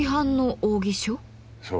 そう。